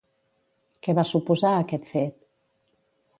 Què va suposar aquest fet?